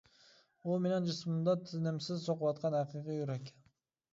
ئۇ مېنىڭ جىسمىمدا تىنىمسىز سوقۇۋاتقان ھەقىقىي يۈرەك.